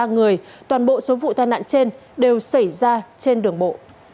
ba mươi ba người toàn bộ số vụ tai nạn trên đều xảy ra trên đường bộ